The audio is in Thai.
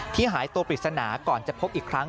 หายตัวปริศนาก่อนจะพบอีกครั้ง